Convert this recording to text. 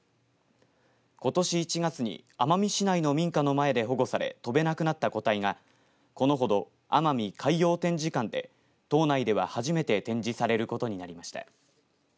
ことし１月に奄美市内の民家の前で保護され飛べなくなった個体がこのほど奄美海洋展示館で島内では初めて展示されることになりました。